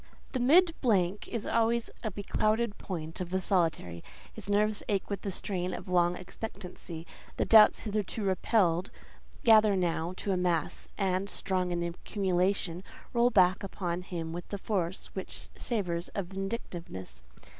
The mid blank is always a beclouded point for the solitary: his nerves ache with the strain of long expectancy; the doubts hitherto repelled gather now to a mass and—strong in accumulation—roll back upon him with a force which savours of vindictiveness.